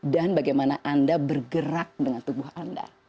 bagaimana anda bergerak dengan tubuh anda